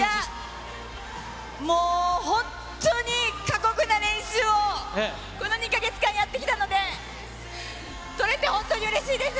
もう本当に過酷な練習を、この２か月間やってきたので、とれて本当にうれしいです。